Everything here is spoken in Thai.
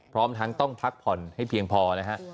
พร้อมทั้งต้องพักผ่อนให้เพียงพอนะฮะ